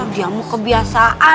dia mau kebiasaan